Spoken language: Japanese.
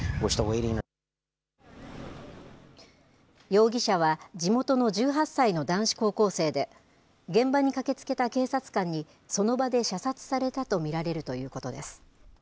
容疑者は、地元の１８歳の男子高校生で、現場に駆けつけた警察官に、その場で射殺されたと見られるということです。